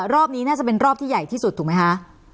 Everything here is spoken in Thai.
รอบนี้น่าจะเป็นรอบที่ใหญ่ที่สุดถูกไหมคะ